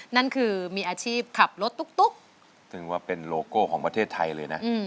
นั่นคือมีอาชีพขับรถตุ๊กซึ่งว่าเป็นโลโก้ของประเทศไทยเลยนะ